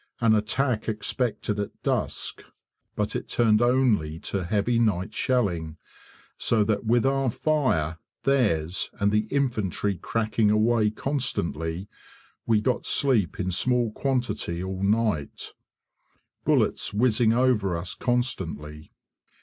An attack expected at dusk, but it turned only to heavy night shelling, so that with our fire, theirs, and the infantry cracking away constantly, we got sleep in small quantity all night; bullets whizzing over us constantly.